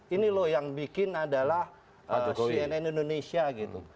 ini loh yang bikin adalah cnn indonesia gitu